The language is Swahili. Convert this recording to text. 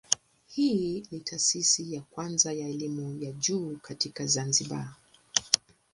Hii ni taasisi ya kwanza ya elimu ya juu katika Zanzibar.